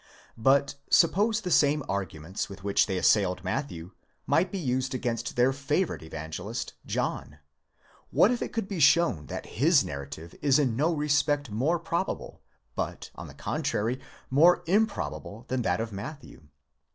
But suppose the same arguments with which they assailed Matthew might be used against their favourite evangelist John αὶ What if it could be shown that his narrative is in no respect more probable, but, on the contrary, more improbable, than that of Matthew?